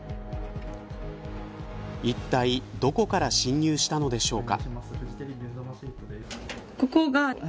いったいどこから侵入したのでしょうか。